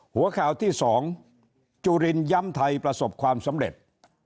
หัวข่าวที่๒จุลินย้ำไทยประสบความสำเร็จ